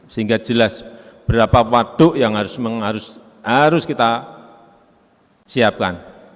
sehingga jelas berapa waduk yang harus kita siapkan